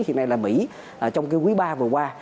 hiện nay là mỹ trong cái quý ba vừa qua